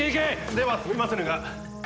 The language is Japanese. ではすみませぬが。